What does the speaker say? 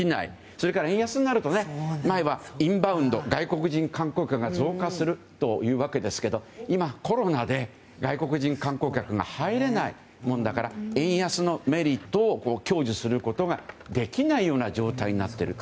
それから円安になると前はインバウンド外国人観光客が増加するわけですが今、コロナで外国人観光客が入れないものだから円安のメリットを享受することができないような状態になってる。